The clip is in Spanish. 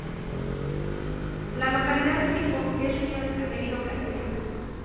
La localidad tipo es Río de Janeiro, Brasil.